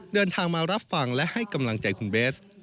เดินทางมารับฟังและให้กำลังใจคุณเบส